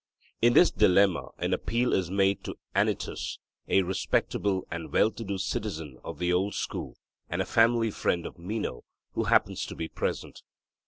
In this dilemma an appeal is made to Anytus, a respectable and well to do citizen of the old school, and a family friend of Meno, who happens to be present.